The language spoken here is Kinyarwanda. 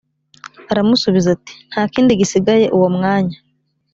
aramusubiza ati nta kindi gisigaye uwo mwanya